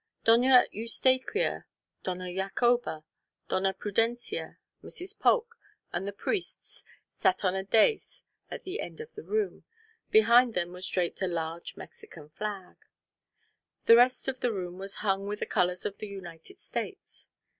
Doña Eustaquia, Doña Jacoba, Doña Prudencia, Mrs. Polk, and the priests sat on a dais at the end of the room; behind them was draped a large Mexican flag. The rest of the room was hung with the colours of the United States.